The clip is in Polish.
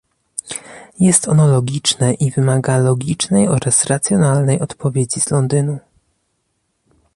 Jest ono logiczne i wymaga logicznej oraz racjonalnej odpowiedzi z Londynu